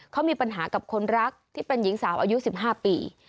เขามีปัญหากับคนรักที่เป็นหญิงสาวอายุ๑๕ปี